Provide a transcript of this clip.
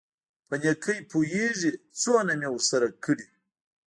په نېکۍ پوېېږي څونه مې ورسره کړي.